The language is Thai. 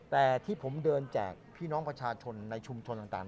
แต่ที่ผมเดินแจกพี่น้องประชาชนในชุมชนต่าง